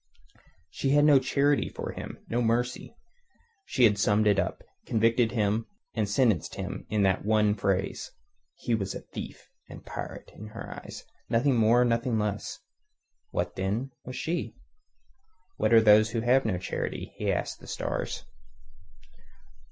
She had no charity for him, no mercy. She had summed him up, convicted him and sentenced him in that one phrase. He was thief and pirate in her eyes; nothing more, nothing less. What, then, was she? What are those who have no charity? he asked the stars.